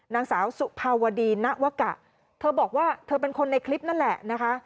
นางสาวสุภาวดีณวกะเธอบอกว่าเธอเป็นคนในคลิปนั่นแหละนะคะ